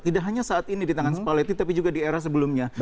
tidak hanya saat ini di tangan spaleti tapi juga di era sebelumnya